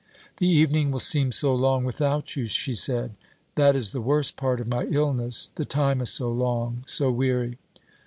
"The evening will seem so long without you," she said. "That is the worst part of my illness; the time is so long so weary.